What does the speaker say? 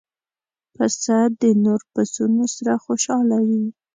پسه د نور پسونو سره خوشاله وي.